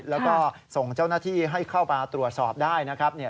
แล้วก็ส่งเจ้าหน้าที่ให้เข้ามาตรวจสอบได้นะครับ